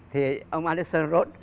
thì ông alessandro